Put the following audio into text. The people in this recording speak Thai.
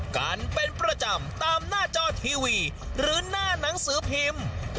กันเป็นประจำตามหน้าจอทีวีหรือหน้าหนังสือพิมพ์